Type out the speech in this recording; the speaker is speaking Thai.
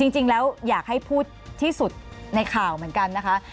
อยากให้พูดที่สุดในข่าวเหมือนกันนะคะ